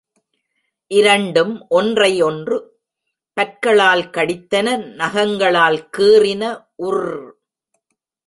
இரண்டும் ஒன்றை ஒன்று பற்களால் கடித்தன நகங்களால் கீறின, உர்ர்.